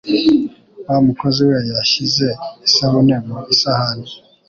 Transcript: Wa mukozi we yashyize isabune mu isahani.